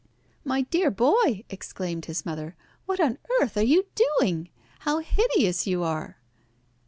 "My dear boy," exclaimed his mother, "what on earth are you doing? How hideous you are!"